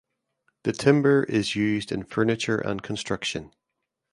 The timber is used in furniture and construction.